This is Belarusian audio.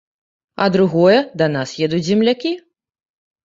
А другое, да нас едуць землякі.